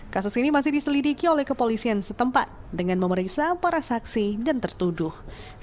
kasus ini masih diselidiki oleh kepolisian setempat dengan memeriksa para saksi dan tertuduh